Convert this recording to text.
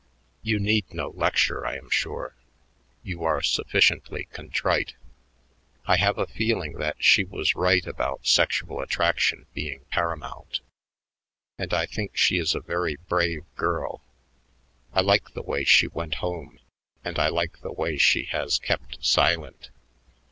You need no lecture, I am sure; you are sufficiently contrite. I have a feeling that she was right about sexual attraction being paramount; and I think that she is a very brave girl. I like the way she went home, and I like the way she has kept silent.